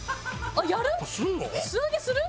あっやる？